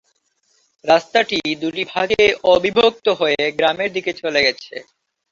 রাস্তাটি দুটি ভাগে অবিভক্ত হয়ে গ্রামের দিকে চলে গেছে।